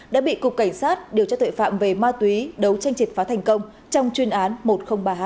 đã bị cục cảnh sát điều tra tội phạm về ma túy đấu tranh triệt phá thành công trong chuyên án một trăm linh ba h